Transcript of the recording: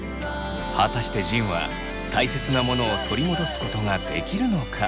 果たして仁はたいせつなモノを取り戻すことができるのか？